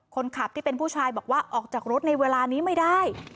คนขับที่เป็นผู้ชายบอกว่าออกจากรถในเวลานี้ไม่ได้